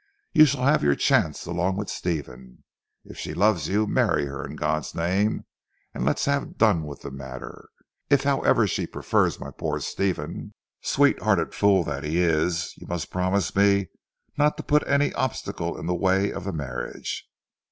You shall have your chance along with Stephen. If she loves you, marry her in God's name and let's have done with the matter. If however she prefers my poor Stephen sweet hearted fool that he is you must promise me not to put any obstacle in the way of the marriage."